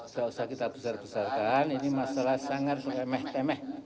tidak usah kita besar besarkan ini masalah sangat remeh temeh